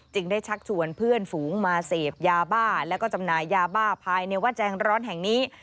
ได้ชักชวนเพื่อนฝูงมาเสพยาบ้าแล้วก็จำหน่ายยาบ้าภายในวัดแจงร้อนแห่งนี้